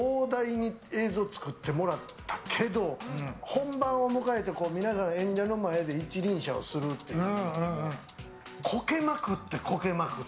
本番を迎えて皆さん、演者の前で一輪車をするっていう。